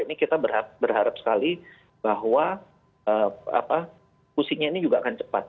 ini kita berharap sekali bahwa pusingnya ini juga akan cepat